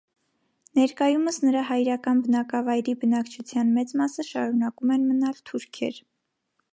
Ներկայումս նրա հայրական բնակավայրի բնակչության մեծ մասը շարունակում են մնալ թուրքեր։